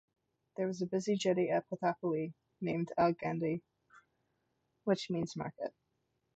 There was a busy jetty at Puthuppally named Angadi, which means market.